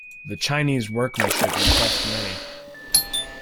The Chinese workmanship impressed many.